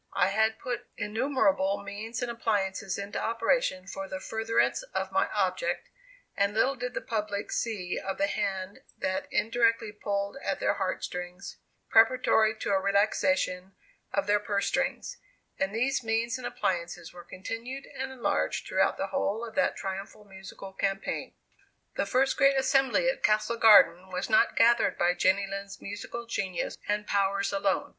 I had put innumerable means and appliances into operation for the furtherance of my object, and little did the public see of the hand that indirectly pulled at their heart strings, preparatory to a relaxation of their purse strings; and these means and appliances were continued and enlarged throughout the whole of that triumphal musical campaign. The first great assembly at Castle Garden was not gathered by Jenny Lind's musical genius and powers alone.